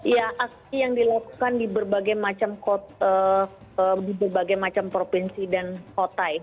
ya aksi yang dilakukan di berbagai macam provinsi dan kota